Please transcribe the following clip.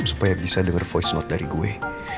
supaya bisa denger voice note dari gue